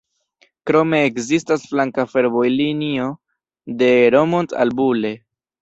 Krome ekzistas flanka fervojlinio de Romont al Bulle.